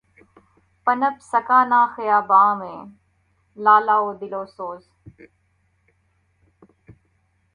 پنپ سکا نہ خیاباں میں لالۂ دل سوز